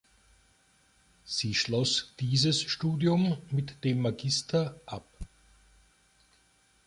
Sie schloss dieses Studium mit dem Magister ab.